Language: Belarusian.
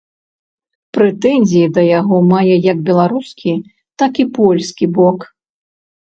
Прэтэнзіі да яго мае як беларускі, так і польскі бок.